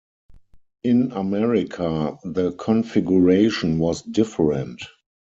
In America, the configuration was different.